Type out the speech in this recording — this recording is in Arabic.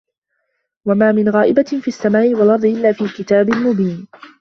وَما مِن غائِبَةٍ فِي السَّماءِ وَالأَرضِ إِلّا في كِتابٍ مُبينٍ